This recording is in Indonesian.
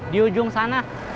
di ujung sana